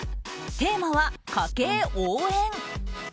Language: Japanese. テーマは家計応援。